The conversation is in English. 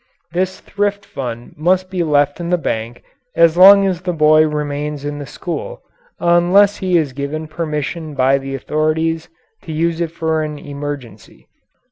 This thrift fund must be left in the bank as long as the boy remains in the school unless he is given permission by the authorities to use it for an emergency.